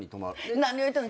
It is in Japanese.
何を言うてんの。